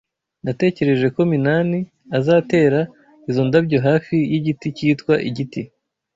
Natekereje ko Minani azatera izo ndabyo hafi yigiti cyitwa igiti.